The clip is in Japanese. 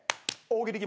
大喜利。